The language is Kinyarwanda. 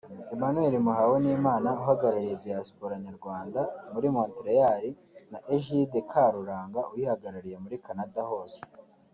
Emmanuel Muhawenimana uhagarariye Diaspora Nyarwanda muri Montréal na Egide Karuranga uyihagarariye muri Canada hose